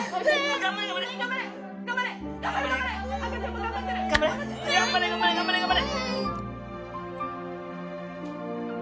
頑張れ頑張れ頑張れ頑張れ！